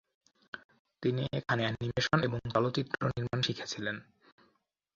তিনি এখানে অ্যানিমেশন এবং চলচ্চিত্র নির্মাণ শিখেছিলেন।